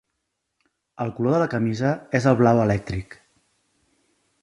El color de la camisa és el blau elèctric.